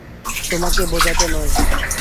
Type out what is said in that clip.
তোমাকে বোঝাতে নয়।